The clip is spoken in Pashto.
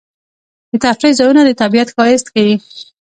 د تفریح ځایونه د طبیعت ښایست ښيي.